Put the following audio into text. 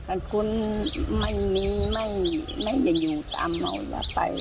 แต่คุณไม่มีไม่อยู่ตามเราจะไปแล้ว